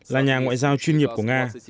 là nhà ngoại giao chuyên nghiệp của nga